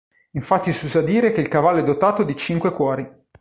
Infatti si usa dire che "il cavallo è dotato di cinque cuori".